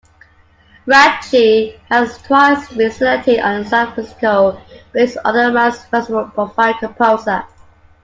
Ratkje has twice been selected as the San Fransico-based Other Minds Festival's profile composer.